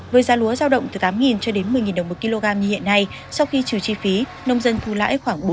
với giá lúa giao động từ tám cho đến một mươi đồng một kg như hiện nay sau khi trừ chi phí nông dân thu lãi khoảng bốn mươi